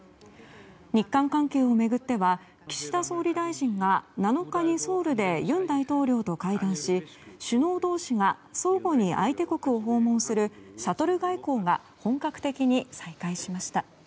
日韓関係を巡っては岸田総理大臣が７日にソウルで尹大統領と会談し首脳同士が相互に相手国を訪問するシャトル外交が本格的に再開しました。